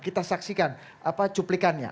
kita saksikan cuplikannya